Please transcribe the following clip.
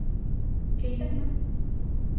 Кейҙеңме?